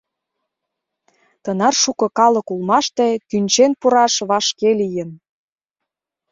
Тынар шуко калык улмаште кӱнчен пураш вашке лийын.